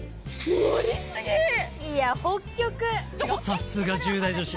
さすが１０代女子。